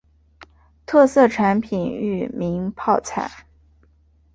特色产品裕民泡菜。